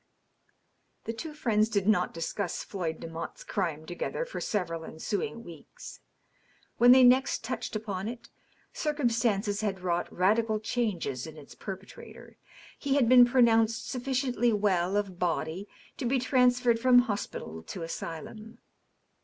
The two friends did not discuss Floyd Demotte's crime together for several ensuing weeks. When they next touched upon* it, circum stances had wrought radical changes in its perpetrator. He had been pronounced sufficiently well of bSiy to be transferred from hospital to asylum.